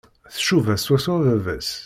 Tcuba swaswa baba-s.